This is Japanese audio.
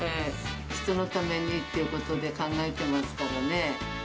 人のためにということで、考えてますからね。